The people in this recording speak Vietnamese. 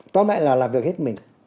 tóm lại là làm việc hết mình